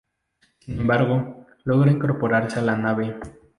Sin embargo, logra incorporarse a la nave.